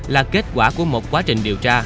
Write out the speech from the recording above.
là kết quả của một quá trình điều tra